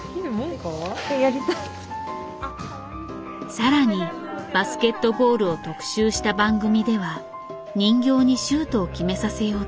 さらにバスケットボールを特集した番組では人形にシュートを決めさせようとする。